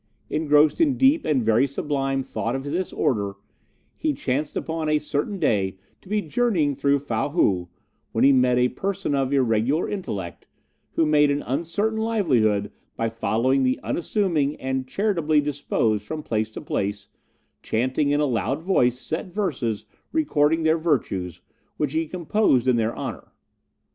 Engrossed in deep and very sublime thought of this order, he chanced upon a certain day to be journeying through Fow Hou, when he met a person of irregular intellect, who made an uncertain livelihood by following the unassuming and charitably disposed from place to place, chanting in a loud voice set verses recording their virtues, which he composed in their honour.